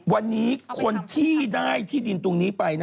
วันนี้คนที่ได้ที่ดินตรงนี้ไป